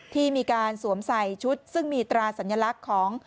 ที่มีการสวมใส่ชุดซึ่งมีตราสัญลักษณ์ของ